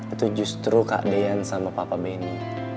itu justru kak deyan sama papa benny